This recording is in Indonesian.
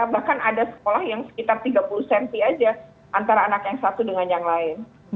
bahkan ada sekolah yang sekitar tiga puluh cm aja antara anak yang satu dengan yang lain